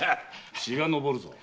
血が上るぞ。